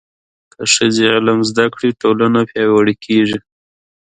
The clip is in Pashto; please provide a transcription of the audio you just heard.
که ښځې علم زده کړي، ټولنه پیاوړې کېږي.